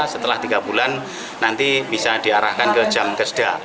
setelah tiga bulan nanti bisa diarahkan ke jam keseda